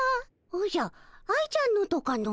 おじゃ愛ちゃんのとかの？